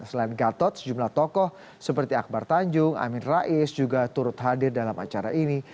selain gatot sejumlah tokoh seperti akbar tanjung amin rais juga turut hadir dalam acara ini